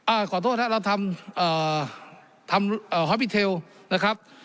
อ่าขอโทษนะเราทำเอ่อทำเอ่อนะครับ